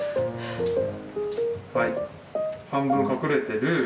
はい半分隠れてる。